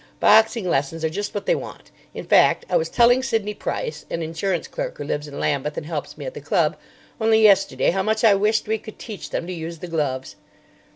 Boxing lessons are just what they want. In fact, I was telling Sidney Price, an insurance clerk who lives in Lambeth and helps me at the club, only yesterday how much I wished we could teach them to use the gloves."